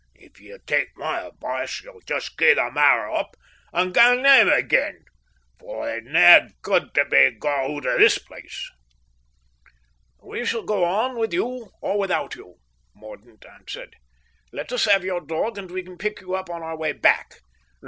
If ye'll tak' my advice ye'll just gie the matter up and gang hame again, for there's na guid tae be got oot o' this place." "We shall go on with you or without you," Mordaunt answered. "Let us have your dog and we can pick you up on our way back."